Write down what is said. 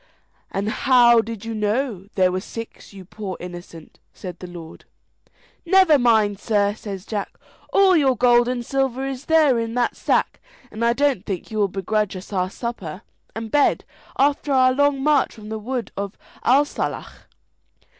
"And how did you know there were six, you poor innocent?" said the lord. "Never mind, sir," says Jack, "all your gold and silver is there in that sack, and I don't think you will begrudge us our supper and bed after our long march from the wood of Athsalach."